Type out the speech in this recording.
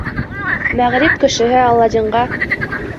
Мәғриб кешеһе Аладдинға: